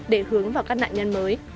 để hướng vào các nạn nhân mới